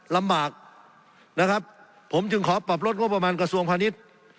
ลำบากนะครับผมจึงขอปรับลดงบประมาณกระทรวงพาณิชย์